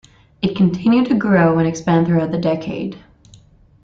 It continued to grow and expand throughout the decade.